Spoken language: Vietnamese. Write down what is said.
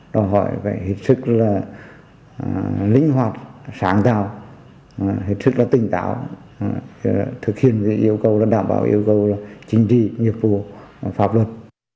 đoàn hội phải hiệp sức linh hoạt sáng tạo hiệp sức tinh tạo thực hiện yêu cầu đảm bảo yêu cầu chính trị nhiệm vụ pháp luật